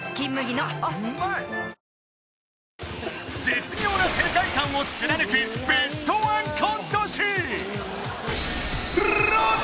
絶妙な世界観を貫くベストワンコント師